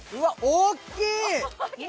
大きい。